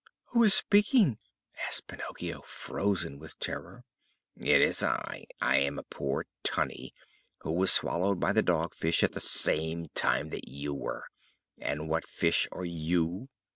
"Who is speaking?" asked Pinocchio, frozen with terror. "It is I! I am a poor Tunny who was swallowed by the Dog Fish at the same time that you were. And what fish are you?"